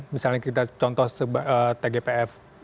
misalnya kita contoh tgpf